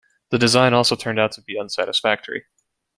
The design also turned out to be unsatisfactory.